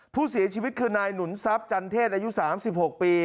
ผู้เสียชีวิตคือนายหนุนทรัพย์จันเทศอายุ๓๖ปี